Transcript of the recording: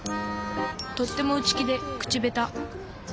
とっても内気で口下手。